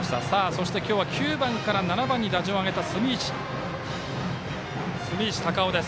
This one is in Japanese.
そして、今日は９番から７番に打順を上げた住石孝雄。